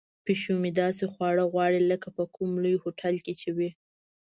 پیشو مې داسې خواړه غواړي لکه په کوم لوی هوټل کې چې وي.